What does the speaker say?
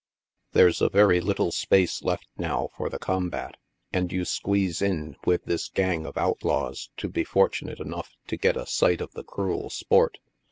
There's a very little space left now for the combat, and you squeeze in with this gang of outlaws to be fortunate enough to get a sight of the cruel sport.